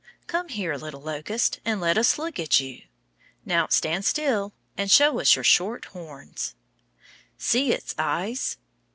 Come here, little locust, and let us look at you. Now, stand still, and show us your short "horns." See its eyes!